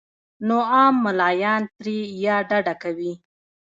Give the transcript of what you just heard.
نو عام ملايان ترې يا ډډه کوي